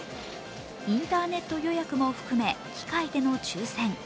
インターネット予約も含め、機械での抽選。